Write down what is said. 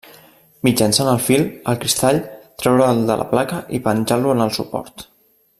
Mitjançant el fil, el cristall, treure'l de la placa i penjar-lo en el suport.